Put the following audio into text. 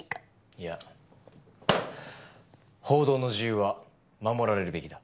いや報道の自由は守られるべきだ。